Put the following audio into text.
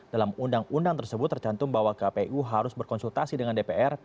dalam undang undang tersebut tercantum bahwa kpu harus berkonsultasi dengan dpr